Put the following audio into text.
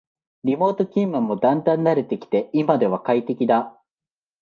リモート勤務もだんだん慣れてきて今では快適だ